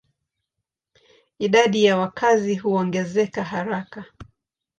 Idadi ya wakazi huongezeka haraka.